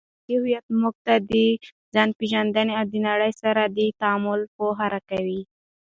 فرهنګي هویت موږ ته د ځانپېژندنې او د نړۍ سره د تعامل پوهه راکوي.